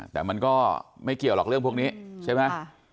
แต่มันก็ไม่เกี่ยวหรอกเรื่องพวกนี้ใช่ไหม